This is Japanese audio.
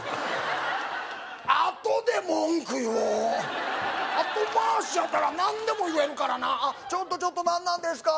あとで文句言おう後回しやったら何でも言えるからなちょっとちょっと何なんですか